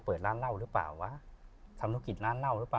เปิดร้านเหล้าหรือเปล่าวะทำธุรกิจร้านเหล้าหรือเปล่า